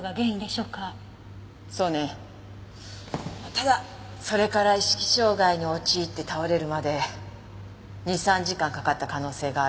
ただそれから意識障害に陥って倒れるまで２３時間かかった可能性がある。